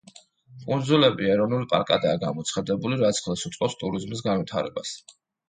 კუნძულები ეროვნულ პარკადაა გამოცხადებული, რაც ხელს უწყობს ტურიზმის განვითარებას.